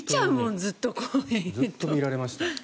ずっと見られました。